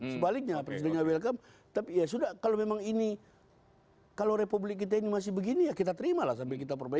sebaliknya presidennya welcome tapi ya sudah kalau memang ini kalau republik kita ini masih begini ya kita terimalah sambil kita perbaiki